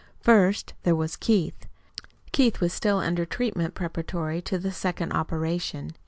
First there was Keith. Keith was still under treatment preparatory to the second operation.